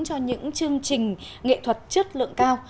cho những chương trình nghệ thuật chất lượng cao